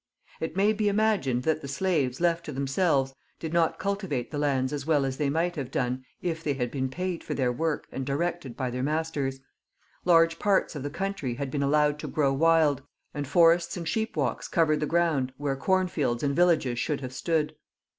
It may be imagined that the slaves, left to themselves, did not cultivate the lands as well as they might have done if they had been paid for their work and directed by their masters. Large parts of the country had been allowed to grow wild, and forests and sheepwalks covered the ground where cornfields and villages should have stood.